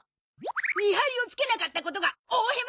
見張りをつけなかったことが大ヘマなのさ！